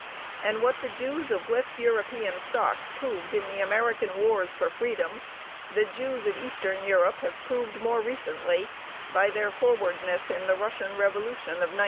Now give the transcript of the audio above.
(2) And what the Jews of West European stock proved in the American wars for freedom the Jews of Eastern Europe have proved more recently, by their forwardness in the Russian revolution of 1905.